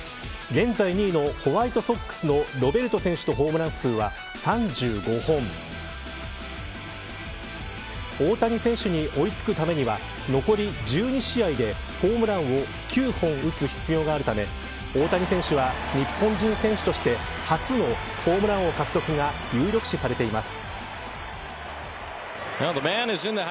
現在２位のホワイトソックスのロバートＪｒ．選手のホームラン数は３５本大谷選手に追い付くためには残り１２試合でホームランを９本打つ必要があるため大谷選手は日本人選手として初のホームラン王獲得が有力視されています。